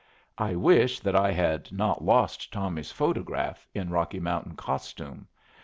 I wish that I had not lost Tommy's photograph in Rocky Mountain costume.